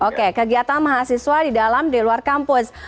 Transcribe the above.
oke kegiatan mahasiswa di dalam di luar kampus